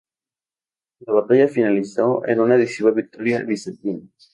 La batalla finalizó en una decisiva victoria bizantina.